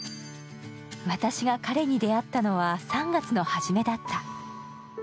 私が彼に出会ったのは３月の初めだった。